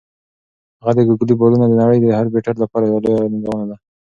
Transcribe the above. د هغه "ګوګلي" بالونه د نړۍ د هر بیټر لپاره یوه لویه ننګونه ده.